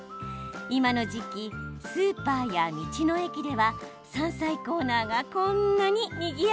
今の時期スーパーや道の駅では山菜コーナーがこんなににぎやか。